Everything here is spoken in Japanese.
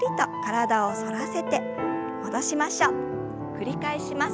繰り返します。